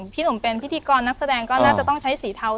พี่หนุ่มเป็นพิธีกรนักแสดงก็น่าจะต้องใช้สีเทา